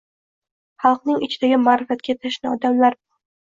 Xalqning ichidagi ma’rifatga tashna odamlar bu.